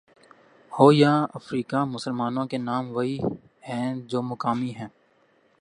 ہو یا افریقہ مسلمانوں کے نام وہی ہیں جو مقامی ہیں۔